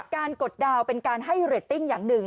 กดดาวน์เป็นการให้เรตติ้งอย่างหนึ่ง